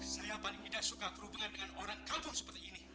saya paling tidak suka berhubungan dengan orang kampung seperti ini